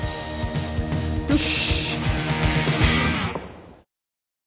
よし。